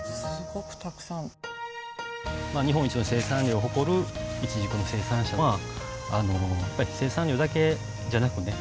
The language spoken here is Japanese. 日本一の生産量を誇るいちじくの生産者は生産量だけじゃなくね